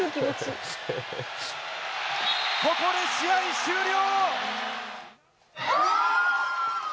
ここで試合終了！